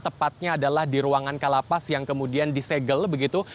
tepatnya adalah di ruangan kalapas yang kemudian disegel begitu